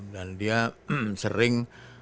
dan dia sering